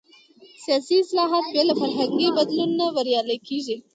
سیاسي اصلاحات بې له فرهنګي بدلون نه بریالي کېږي.